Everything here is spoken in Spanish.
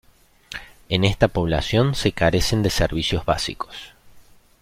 En esta población, se carecen de servicios básicos.